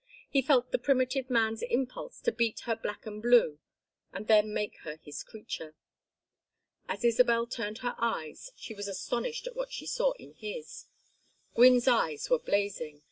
He felt the primitive man's impulse to beat her black and blue and then make her his creature. As Isabel turned her eyes she was astonished at what she saw in his. Gwynne's eyes were blazing.